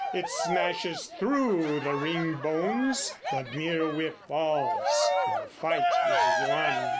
It smashes through the ring bones; the merewif falls, and the fight is won.